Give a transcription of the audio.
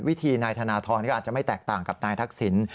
วิธีนายธนทรก็อาจจะไม่แตกต่างกับนายทักษิณ